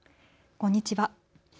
こんにちは。